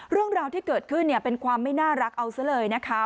เรื่องราวที่เกิดขึ้นเนี่ยเป็นความไม่น่ารักเอาซะเลยนะคะ